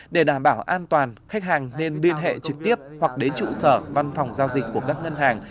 để đảm bảo an toàn khách hàng nên liên hệ trực tiếp hoặc đến trụ sở văn phòng giao dịch của các ngân hàng